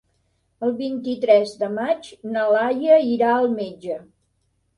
El vint-i-tres de maig na Laia irà al metge.